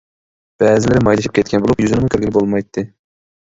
بەزىلىرى مايلىشىپ كەتكەن بولۇپ يۈزىنىمۇ كۆرگىلى بولمايتتى.